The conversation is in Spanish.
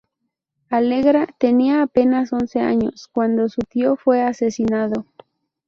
Allegra tenía apenas once años cuando su tío fue asesinado.